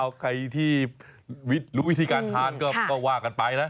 เอาใครที่รู้วิธีการทานก็ว่ากันไปนะ